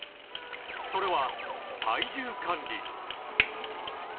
それは、体重管理。